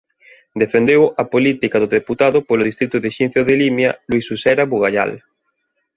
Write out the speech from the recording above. Defendeu a política do deputado polo distrito de Xinzo de Limia Luis Usera Bugallal.